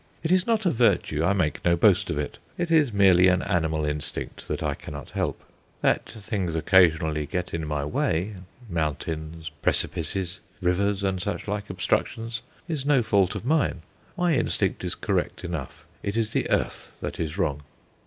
It is not a virtue; I make no boast of it. It is merely an animal instinct that I cannot help. That things occasionally get in my way mountains, precipices, rivers, and such like obstructions is no fault of mine. My instinct is correct enough; it is the earth that is wrong.